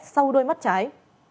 sau đôi mắt trái